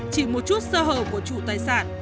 chỉ một chút sơ hở của chủ tài sản